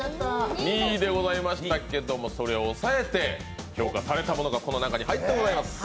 ２位でございましたけど、それを押さえて評価されたものがこの中に入っております。